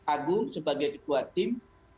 agung sebagai ketua tim